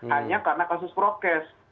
hanya karena kasus prokes